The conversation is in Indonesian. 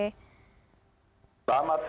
selamat sore mbak putri